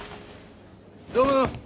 どうも。